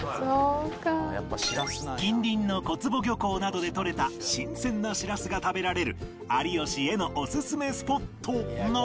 近隣の小坪漁港などでとれた新鮮なしらすが食べられる有吉へのオススメスポットなのだが